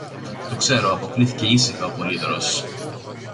Το ξέρω, αποκρίθηκε ήσυχα ο Πολύδωρος.